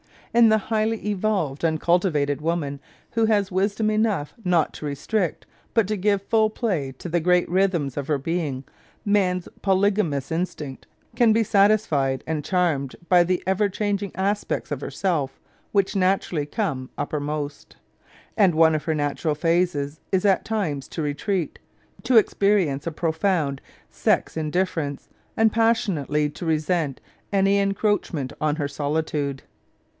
In the highly evolved and cultivated woman, who has wisdom enough not to restrict, but to give 63 Married Love full play to the great rhythms of her being, man's polygamous instinct can be satisfied and charmed by the ever changing aspects of herself which naturally come uppermost. And one of her natural phases is at times to retreat, to experience a profound sex in difference, and passionately to resent any encroach ment on her solitude.